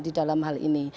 di dalam hal ini